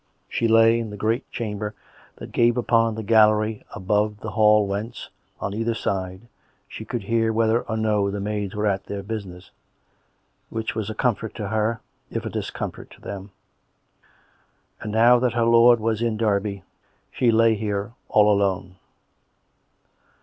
She lay in the great chamber that gave upon the gallery above the hall whence, on either side, she could hear whether or no the maids were at their business — which was a comfort to her if a discomfort to them. And now that her lord was in Derby, she lay here all alone.